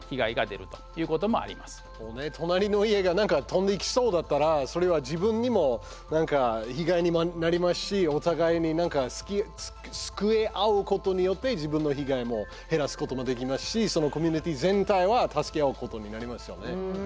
もうね隣の家が何か飛んでいきそうだったらそれは自分にも何か被害にもなりますしお互いに何か救い合うことによって自分の被害も減らすこともできますしそのコミュニティー全体は助け合うことになりますよね。